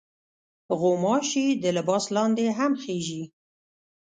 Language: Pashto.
غوماشې د لباس لاندې هم خېژي.